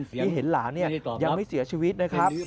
ที่เห็นหลานยังไม่เสียชีวิตนะครับ